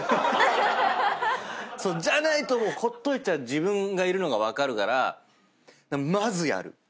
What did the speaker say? それは。じゃないとほっといちゃう自分がいるのが分かるからまずやる。